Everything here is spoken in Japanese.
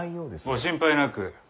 ご心配なく。